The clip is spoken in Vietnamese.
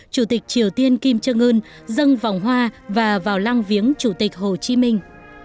chủ tịch triều tiên kim trương ươn dâng vòng hoa và vào lăng viếng chủ tịch hồ chí minh